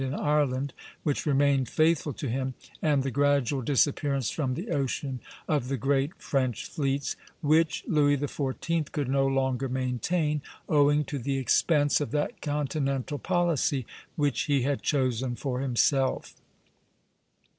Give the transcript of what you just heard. in Ireland, which remained faithful to him, and the gradual disappearance from the ocean of the great French fleets, which Louis XIV. could no longer maintain, owing to the expense of that continental policy which he had chosen for himself.